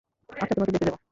আচ্ছা, তোমাকে যেতে দেব।